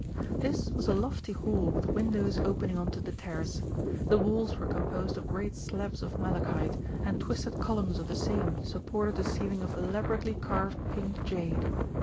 This was a lofty hall with windows opening on to the terrace; the walls were composed of great slabs of malachite, and twisted columns of the same supported a ceiling of elaborately carved pink jade.